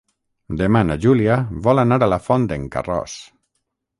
Demà na Júlia vol anar a la Font d'en Carròs.